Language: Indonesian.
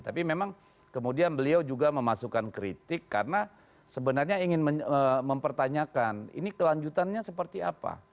tapi memang kemudian beliau juga memasukkan kritik karena sebenarnya ingin mempertanyakan ini kelanjutannya seperti apa